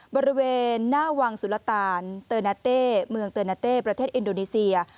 บริเวณหน้าวังสุรตานเตอร์นาเต้เมืองเตอร์นาเต้ประเทศอินโดนีเซีย